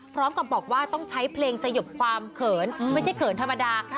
พร้อมกับบอกว่าต้องใช้เพลงสยบความเขินไม่ใช่เขินธรรมดา